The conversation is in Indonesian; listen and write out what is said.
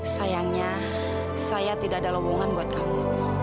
sayangnya saya tidak ada lowongan buat kamu